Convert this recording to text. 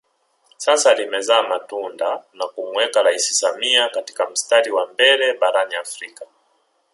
Sasa limezaa matunda na kumuweka rais Samia katika mstari wa mbele barani Afrika